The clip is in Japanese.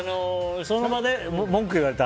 その場で文句言われた。